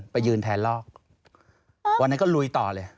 ไปยืนแทนลอกวันนั้นก็ลุยต่อเลย